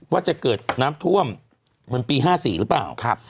ว่าจะเกิดน้ำท่วมเหมือนปี๕๔หรือเปล่า